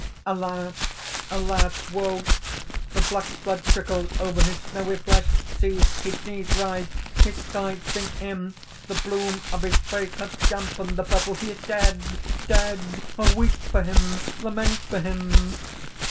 _) "Alas! alas! Woe! the black blood trickles over his snowy flesh! See! his knees writhe! his sides sink in! The bloom of his face hath dampened the purple. He is dead, dead! O weep for him! Lament for him!"